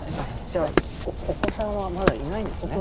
じゃあお子さんはまだいないんですね。